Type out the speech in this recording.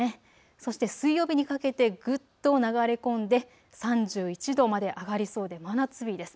そして水曜日にかけてぐっと流れ込んで３１度まで上がりそうで真夏日です。